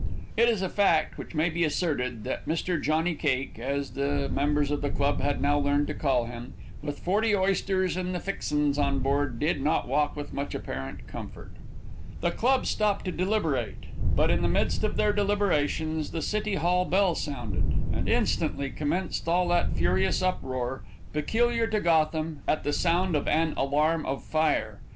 It is a fact which may be asserted, that Mr. Johnny Cake, as the members of the club had now learned to call him, with forty "oysters and the fixens" on board, did not walk with much apparent comfort. The club stopped to deliberate, but in the midst of their deliberations the City Hall bell sounded, and instantly commenced all that furious uproar peculiar to Gotham at the sound of an alarm of fire.